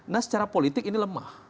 nah secara politik ini lemah